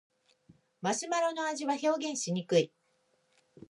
マシュマロの味は表現しにくい